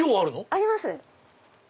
あります。